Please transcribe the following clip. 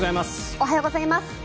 おはようございます。